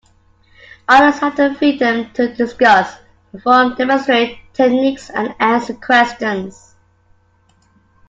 Artists have the freedom to discuss, perform, demonstrate techniques, and answer questions.